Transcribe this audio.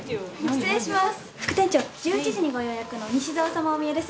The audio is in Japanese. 失礼します。